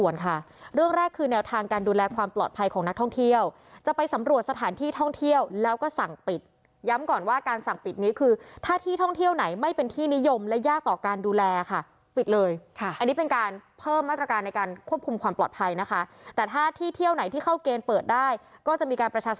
แล้วก็บอกว่าตำรวจไทยที่ดีที่สุดก็มาทำงานที่นี่